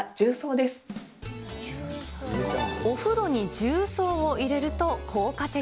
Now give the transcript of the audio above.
お風呂に重曹を入れると、効果的。